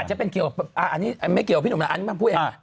จะเป็นเกี่ยวกับอันนี้ไม่เกี่ยวกับพี่หนุ่มนะอันนี้มันพูดเอง